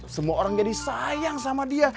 semua orang jadi sayang sama dia